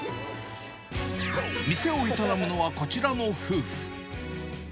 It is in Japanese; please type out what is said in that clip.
店を営むのは、こちらの夫婦。